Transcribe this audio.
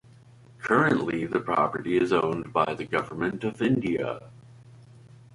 Currently the property is owned by the government of India.